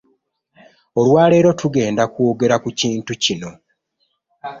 Olwaleero tugenda kwogera ku kintu kino.